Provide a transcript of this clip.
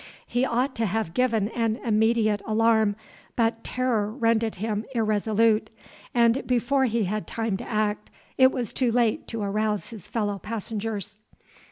He ought to have given an immediate alarm, but terror rendered him irresolute, and before he had time to act, it was too late to arouse his fellow passengers.